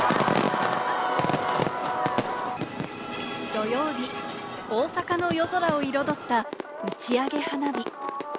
土曜日、大阪の夜空を彩った打ち上げ花火。